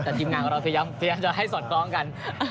แต่ทีมงานของเราพยายามจะให้สอดคล้องกัน